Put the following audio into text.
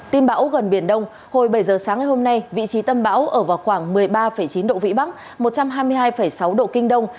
tin bão gần biển đông hồi bảy giờ sáng ngày hôm nay vị trí tâm bão ở vào khoảng một mươi ba chín độ vĩ bắc một trăm hai mươi hai sáu độ kinh đông